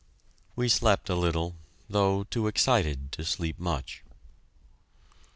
We slept a little, though too excited to sleep much.